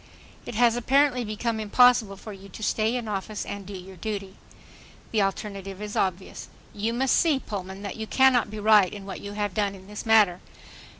It has apparently become impossible for you to stay in office and do your duty. The alternative is obvious. You must see, Pullman, that you cannot be right in what you have done in this matter.